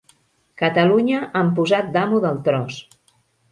Catalunya amb posat d'amo del tros.